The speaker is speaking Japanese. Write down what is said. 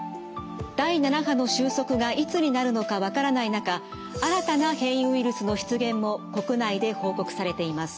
第７波の収束がいつになるのか分からない中新たな変異ウイルスの出現も国内で報告されています。